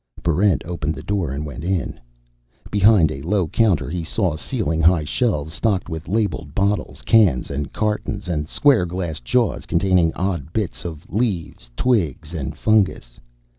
_ Barrent opened the door and went in. Behind a low counter he saw ceiling high shelves stocked with labeled bottles, cans and cartons, and square glass jars containing odd bits of leaves, twigs, and fungus.